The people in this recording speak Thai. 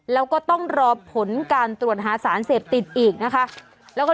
แล้วก็ต้องรอผลการตรวจหาสารเสพติดอีกนะคะ